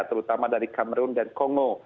terutama dari kamrun dan kongo